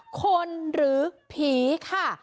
คนหรือผีค่ะ